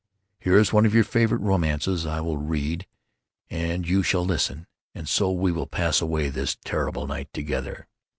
Here is one of your favorite romances. I will read, and you shall listen;—and so we will pass away this terrible night together."